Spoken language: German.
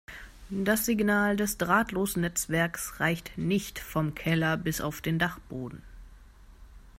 Das Signal des Drahtlosnetzwerks reicht nicht vom Keller bis auf den Dachboden.